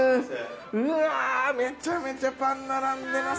うわめちゃめちゃパン並んでますよ。